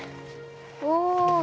お。